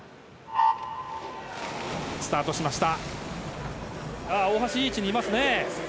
スタートしました。